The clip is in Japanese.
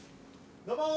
・どうも！